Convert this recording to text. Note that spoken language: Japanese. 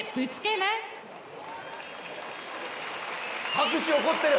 拍手起こってる！